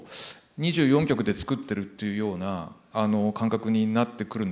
２４局で作ってるっていうような感覚になってくるんですよね。